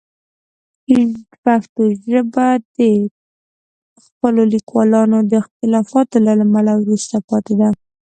پښتو ژبه د خپلو لیکوالانو د اختلافاتو له امله وروسته پاتې ده.